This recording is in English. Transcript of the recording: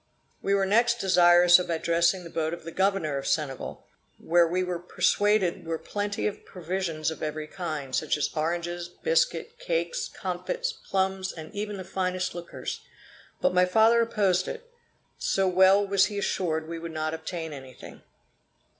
We were next desirous of addressing the boat of the Governor of Senegal, where we were persuaded were plenty of provisions of every kind, such as oranges, biscuit, cakes, comfits, plums and even the finest liquors; but my father opposed it, so well was he assured we would not obtain anything.